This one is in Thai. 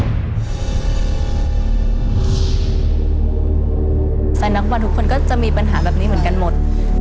นักบอลทุกคนก็จะมีปัญหาแบบนี้เหมือนกันหมด